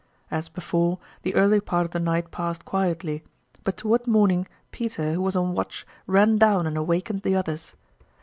As before, the early part of the night passed quietly; but toward morning Peter, who was on watch, ran down and awakened the others.